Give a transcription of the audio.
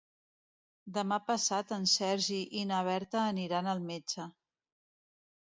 Demà passat en Sergi i na Berta aniran al metge.